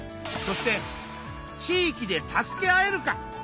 そして「地域で助け合えるか？」